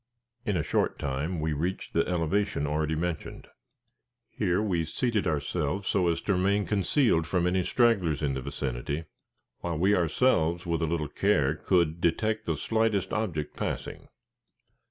In a short time we reached the elevation already mentioned. Here we seated ourselves so as to remain concealed from any stragglers in the vicinity, while we ourselves with a little care could detect the slightest object passing.